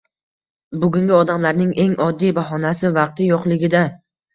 Bugungi odamlarning eng oddiy bahonasi vaqti yo'qligida.